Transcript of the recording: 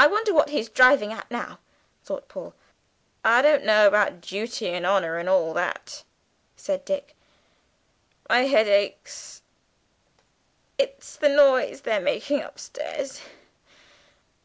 "I wonder what he's driving at now," thought Paul. "I don't know about duty and honour, and all that," said Dick; "my head aches, it's the noise they're making upstairs.